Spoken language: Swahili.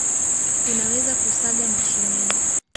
unaweza kuSaga mashineni